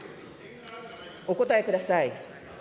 お答えください。